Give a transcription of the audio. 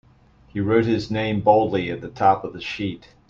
He wrote his name boldly at the top of the sheet.